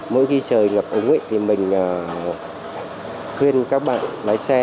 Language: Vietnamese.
mỗi khi trời ngập úng thì mình khuyên các bạn lái xe